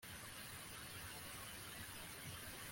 Numupfakazi yanyweye ataravuka Komeza intambwe ijana na gatatu